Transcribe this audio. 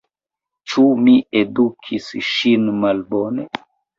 Ĉu mi edukis ŝin malbone?